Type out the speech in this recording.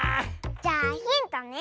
じゃあヒントね！